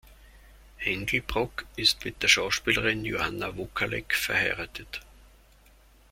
Hengelbrock ist mit der Schauspielerin Johanna Wokalek verheiratet.